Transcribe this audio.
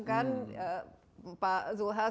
kan pak zulhas